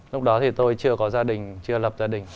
lúc đó thì tôi chưa có gia đình chưa lập gia đình